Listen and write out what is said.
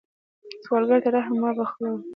سوالګر ته رحم مه بخلوه